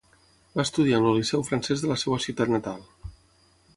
Va estudiar en el Liceu Francès de la seva ciutat natal.